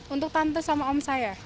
untuk tante sama om saya